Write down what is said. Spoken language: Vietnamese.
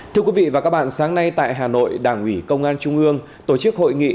thưa quý vị và các bạn sáng nay tại hà nội đảng ủy công an trung ương tổ chức hội nghị